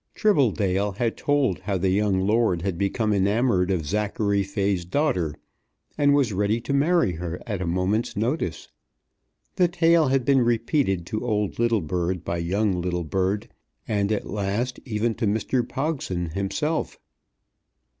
Tribbledale had told how the young lord had become enamoured of Zachary Fay's daughter, and was ready to marry her at a moment's notice. The tale had been repeated to old Littlebird by young Littlebird, and at last even to Mr. Pogson himself.